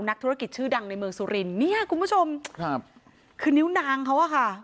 นักธุรกิจชื่อดังในเมืองสุรินเนี่ยคุณผู้ชมครับคือนิ้วนางเขาอะค่ะ